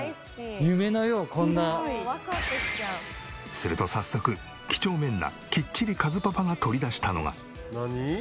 すると早速几帳面なきっちりかずパパが取り出したのが。